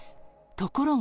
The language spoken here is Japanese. ところが。